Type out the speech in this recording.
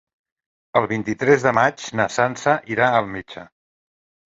El vint-i-tres de maig na Sança irà al metge.